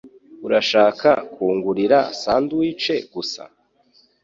Urashaka kungurira sandwich gusa?